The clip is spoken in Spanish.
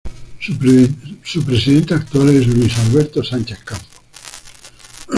Su presidente actual es Luis Alberto Sánchez Campos.